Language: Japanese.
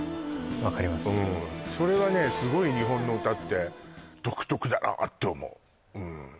分かりますそれはねすごい日本の歌って独特だなあって思う